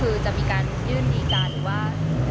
คือจะมีการยื่นดีการหรือว่า